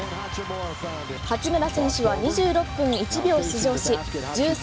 八村選手は２６分１秒出場し１３